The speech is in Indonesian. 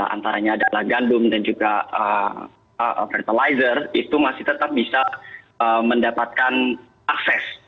antaranya adalah gandum dan juga fertilizer itu masih tetap bisa mendapatkan akses